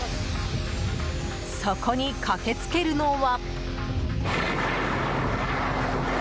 そこに駆けつけるのは。